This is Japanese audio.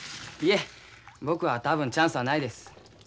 いえ僕は多分チャンスはないです。